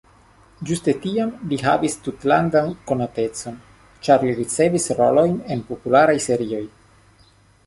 Ĝuste tiam li havis tutlandan konatecon, ĉar li ricevis rolojn en popularaj serioj.